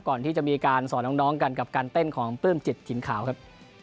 ก่อนที่จะมีการสอนน้องกันกับการเต้นของปลื้มจิตถิ่นขาวครับ